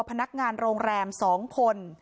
พนักงานโรงแรม๒คน